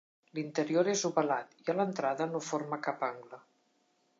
L'interior és ovalat i a l'entrada no forma cap angle.